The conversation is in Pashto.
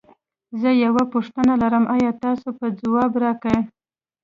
زه یوه پوښتنه لرم ایا تاسو به ځواب راکړی؟